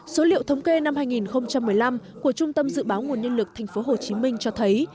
số liệu thống kê năm hai nghìn một mươi năm của trung tâm dự báo nguồn nhân lực tp hcm cho thấy